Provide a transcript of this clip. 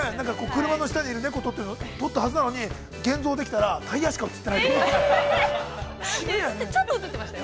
◆車の下にいる猫を撮ったはずなのに現像したらタイヤしか写ってないとか。